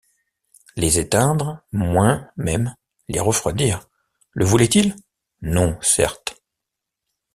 Les éteindre, moins même, les refroidir, le voulait-il? non certes.